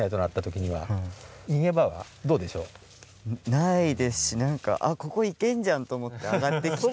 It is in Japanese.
ないですし何かあっここ行けんじゃんと思って上がってきて。